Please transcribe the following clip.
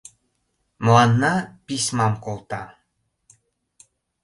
— Мыланна письмам колта...